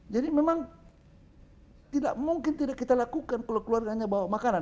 jadi memang tidak mungkin tidak kita lakukan kalau keluarganya bawa makanan